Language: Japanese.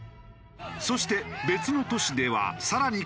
そして別の都市ではさらに過激に！